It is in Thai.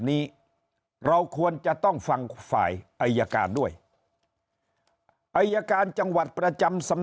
นี้เราควรจะต้องฟังฝ่ายอยการด้วยจังหวัดประจำสำ